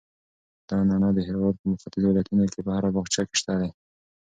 دا نعناع د هېواد په ختیځو ولایتونو کې په هر باغچه کې شته.